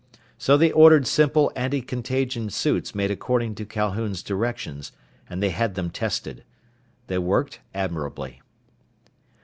So they ordered sample anticontagion suits made according to Calhoun's directions, and they had them tested. They worked admirably.